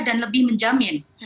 dan lebih menjamin